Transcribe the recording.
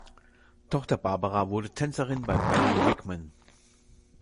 Tochter Barbara wurde Tänzerin bei Mary Wigman.